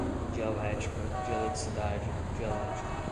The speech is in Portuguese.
Dialética, dialeticidade, dialético